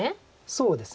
そうですね。